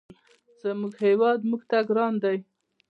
زموږ هېواد موږ ته ګران دی.